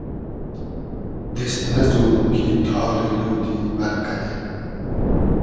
دیست نئزو کی تاری لودی بئرقۂ دیل